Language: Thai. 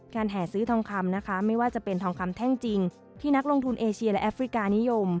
แห่ซื้อทองคำนะคะไม่ว่าจะเป็นทองคำแท่งจริงที่นักลงทุนเอเชียและแอฟริกานิยม